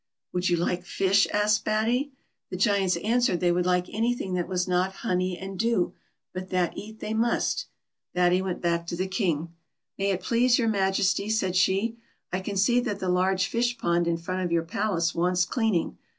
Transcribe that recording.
" Would you like fish .'" asked Batty. The Giants answered they would like anything that was not honey and dew, but that eat they must. Batty went back to the King. " May it please your Majesty," said she, " I can see that the large fish pond in front of your palace wants cleaning.